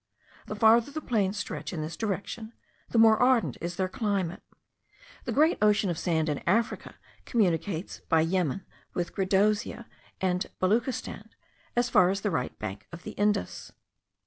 The farther the plains stretch in this direction, the more ardent is their climate. The great ocean of sand in Africa communicates by Yemen* with Gedrosia and Beloochistan, as far as the right bank of the Indus.